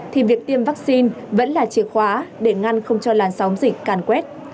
thì việc tiêm vắc xin vẫn là chìa khóa để ngăn không cho làn sóng dịch càn quét